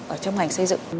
ở trong ngành xây dựng